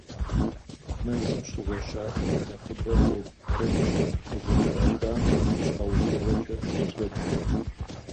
Мэзым щыгъуэщахэм и нэхъыбэр гъуэгу пхэнж къызэрыхахам и щхьэусыгъуэкӏэ мэкӏуэдхэр.